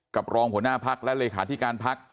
กับรองเหล้าหน้าพักและเลขาที่การพัก